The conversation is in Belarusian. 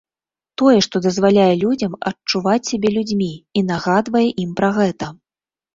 Тое, што дазваляе людзям адчуваць сябе людзьмі і нагадвае ім пра гэта.